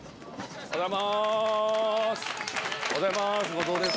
おはようございます。